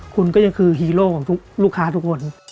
คุณก็ยังคือฮีโร่ของลูกค้าทุกคน